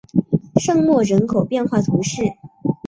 圣莫人口变化图示